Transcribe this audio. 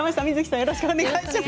よろしくお願いします。